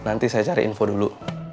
nanti saya cari info dulu